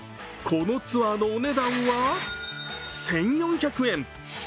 このツアーのお値段は１４００円。